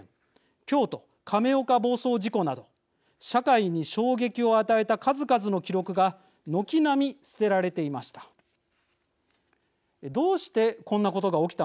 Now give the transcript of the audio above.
京都亀岡暴走事故など社会に衝撃を与えた数々の記録が軒並み捨てられていました。